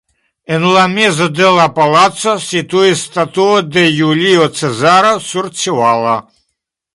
En la mezo de la placo situis statuo de Julio Cezaro sur ĉevalo.